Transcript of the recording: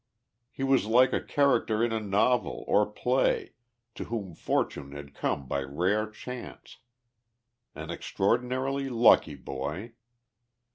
He was like a character in a novel or play, to whom fortune had come by rare chance ; an extraordinarily lucky boy.